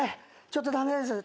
ちょっと駄目です。